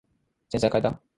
洗剤かえた？